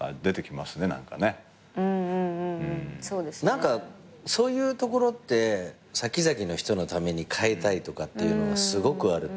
何かそういうところって先々の人のために変えたいとかっていうのはすごくある。